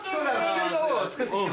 薬の方作ってきて。